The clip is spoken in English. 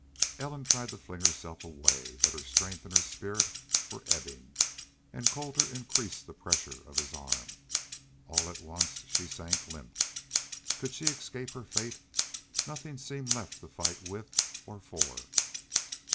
Ellen tried to fling herself away. But her strength and her spirit were ebbing, and Colter increased the pressure of his arm. All at once she sank limp. Could she escape her fate? Nothing seemed left to fight with or for.